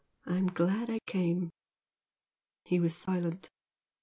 I'm glad I came!" He was silent.